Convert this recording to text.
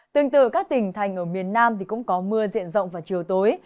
từng từ các tỉnh thành ở miền nam cũng có mưa diện rộng vào chiều tối